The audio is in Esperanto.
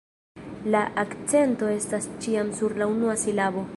La akcento estas ĉiam sur la unua silabo.